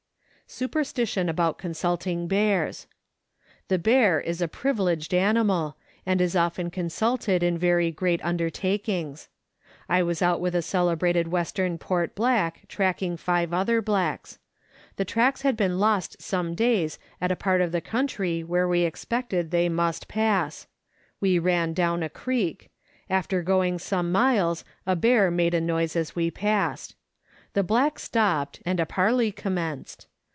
Superstition about Consulting Bears. The bear is a privi leged animal, and is often consulted in very great under takings. I was out with a celebrated Western Port black tracking five other blacks. The tracks had been lost some days at a part of the country where we expected they must pass. We ran down a creek ; after going some miles a bear made a noise as we passed. The black stopped, and a parley commenced.